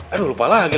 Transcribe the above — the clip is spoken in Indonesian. aduh lupa lagi